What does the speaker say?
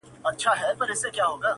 • نذرانه مو غبرګي سترګي ورلېږلي -